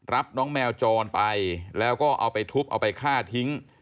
รับน้องแมวจรไปแล้วก็เอาไปทุบเอาไปฆ่าทิ้ง